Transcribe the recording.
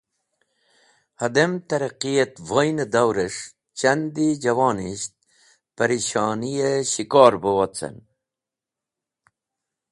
Hadem Traqiet Voyne Daur es̃h Chandi javonisht Parishoniye shikor bẽ tey.